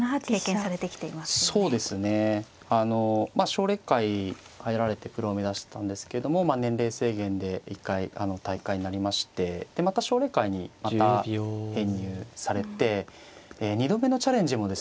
奨励会入られてプロを目指してたんですけども年齢制限で一回退会になりましてでまた奨励会にまた編入されて２度目のチャレンジもですね